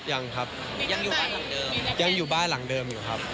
ยังอยู่บ้านหลังเดิม